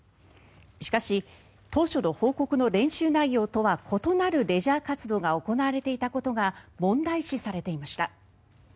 しかし、当初の報告の練習内容とは異なるレジャー活動が行われていたことが問題視されていました。